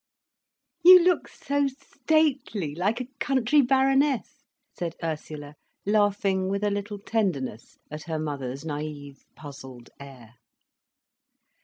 "You look so stately, like a country Baroness," said Ursula, laughing with a little tenderness at her mother's naive puzzled air.